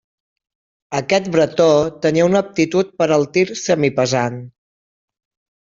Aquest Bretó tenia una aptitud per al tir semipesant.